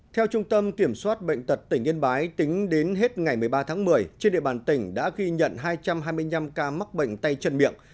theo trung tâm kiểm soát bệnh tật tỉnh yên bái tính đến hết ngày một mươi ba tháng một mươi trên địa bàn tỉnh đã ghi nhận hai trăm hai mươi năm ca mắc bệnh tay chân miệng